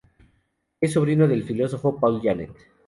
Es sobrino del filósofo Paul Janet.